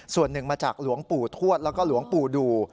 ส่วนหนึ่งมาจากหลวงปู่ทวดแล้วก็หลวงปู่ดู